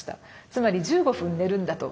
つまり１５分寝るんだと。